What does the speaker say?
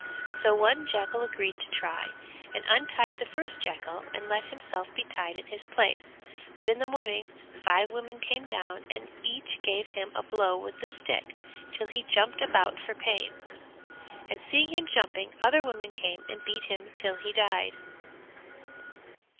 So one jackal agreed to try and untied the first jackal and let himself be tied in his place, but in the morning five women came down and each gave him a blow with the stick till he jumped about for pain, and seeing him jumping other women came and beat him till he died.